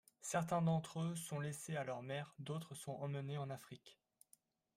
Certains d’entre eux sont laissés à leur mère, d’autres sont emmenés en Afrique.